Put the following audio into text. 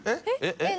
えっ？